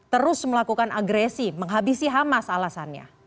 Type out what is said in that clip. terus melakukan agresi menghabisi hamas alasannya